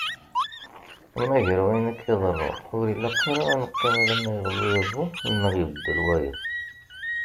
Ma gar wayen akka iḍerrun, ur ilaq ara ad neqqim alamma yeɣli udabu neɣ ibeddel wayeḍ.